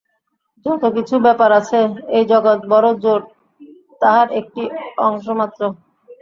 যত কিছু ব্যাপার আছে, এই জগৎ বড় জোর তাহার একটি অংশ-মাত্র।